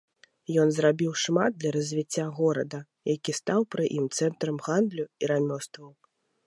Ён зрабіў шмат для развіцця горада, які стаў пры ім цэнтрам гандлю і рамёстваў.